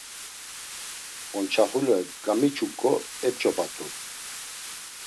Onçaxule gamiçuǩo ep̌ç̌opat̆u.